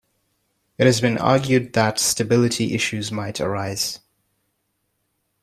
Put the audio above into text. It has been argued that stability issues might arise.